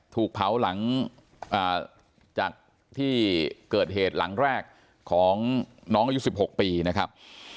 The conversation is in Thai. ถูกเผาหลังจากที่เกิดเหตุหลังแรกของน้องอายุ๑๖ปีนะครับ